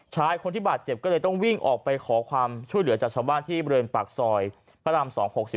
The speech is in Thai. ชายคนที่บาดเจ็บก็เลยต้องวิ่งออกไปขอความช่วยเหลือจากชาวบ้านที่บริเวณปากซอยพระราม๒๖๔